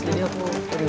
jadi aku mau pulang